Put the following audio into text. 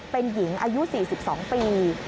เป็นหญิงอายุ๔๒ปี